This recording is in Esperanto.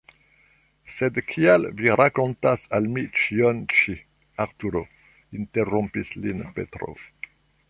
"Sed kial Vi rakontas al mi ĉion ĉi? Arturo?" interrompis lin Petro.